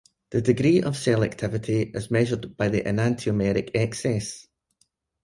The degree of selectivity is measured by the enantiomeric excess.